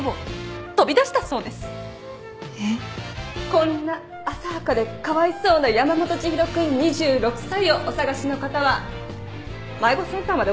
こんな浅はかでかわいそうな山本知博君２６歳をお捜しの方は迷子センターまでお越しください。